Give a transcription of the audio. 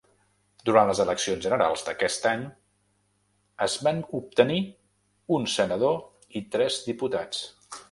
Durant les eleccions generals d'aquest any en van obtenir un senador i tres diputats.